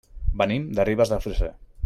Venim de Ribes de Freser.